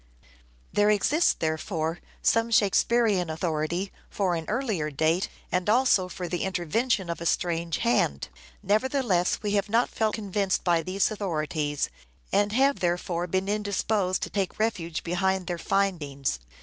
There exists, therefore, some Shakespearean authority both for an earlier date and also for the intervention of a strange hand. Nevertheless, we have not felt convinced by these authorities ; and have therefore been indisposed to take refuge behind their findings.